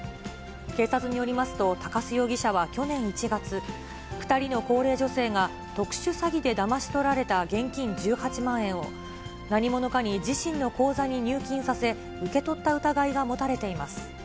警察によりますと、鷹巣容疑者は去年１月、２人の高齢女性が特殊詐欺でだまし取られた現金１８万円を、何者かに自身の口座に入金させ、受け取った疑いが持たれています。